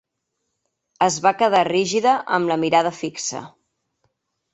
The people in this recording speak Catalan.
Es va quedar rígida, amb la mirada fixa.